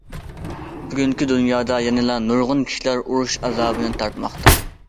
بۈگۈنكى دۇنيادا يەنىلا نۇرغۇن كىشىلەر ئۇرۇش ئازابىنى تارتماقتا.